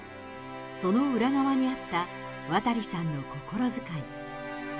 その裏側にあった、渡さんの心遣い。